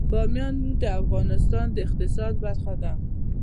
بامیان د افغانستان د اقتصاد برخه ده.